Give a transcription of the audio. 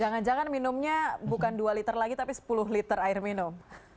jangan jangan minumnya bukan dua liter lagi tapi sepuluh liter air minum